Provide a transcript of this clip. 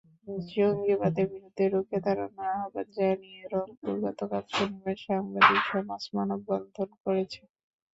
জঙ্গিবাদের বিরুদ্ধে রুখে দাঁড়ানোর আহ্বান জানিয়ে রংপুরে গতকাল শনিবার সাংবাদিক সমাজ মানববন্ধন করেছে।